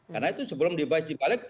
karena itu sebelum dibalik dibalik